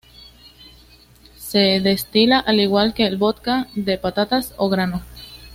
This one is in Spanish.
Se destila al igual que el vodka, de patatas o grano.